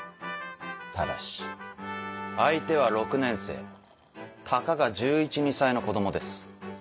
ただし相手は６年生たかが１１１２歳の子供です。